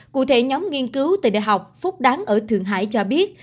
cụ thể nhóm nghiên cứu tại đại học phúc đáng ở thượng hải cho biết